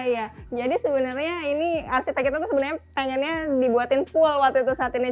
ya jadi sebenarnya arsitek kita sebenarnya pengennya dibuat pool saat ini